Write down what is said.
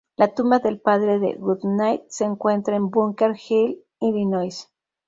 La tumba del padre de Goodnight se encuentra en Bunker Hill, Illinois.